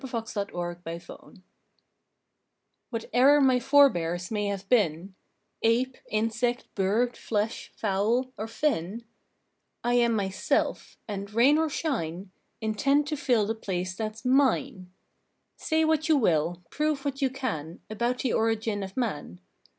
July Eleventh INDEPENDENCE "\\/HATE ER my forebears may have been, Ape, insect, bird, flesh, fowl, or fin, I am MYSELF, and, rain or shine, Intend to fill the place that s MINE. Say what you will, prove what you can, About the Origin of Man.